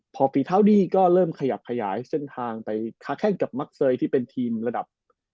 พอฝีเท้าดีก็เริ่มขยับขยายเส้นทางไปค้าแข้งกับมักเซยที่เป็นทีมระดับ